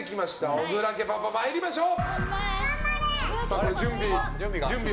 小倉家パパ、参りましょう。